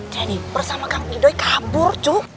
jennifer sama kang idoi kabur cu